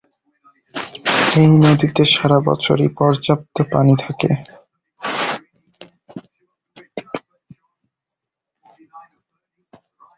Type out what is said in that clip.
এই নদীতে সারা বছরই পর্যাপ্ত পানি থাকে।